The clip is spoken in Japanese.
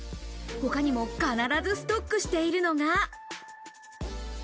他にも必ずストックしているのが。